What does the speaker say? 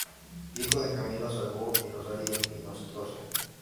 Hijo de Camilo Salvo y Rosario Inostroza.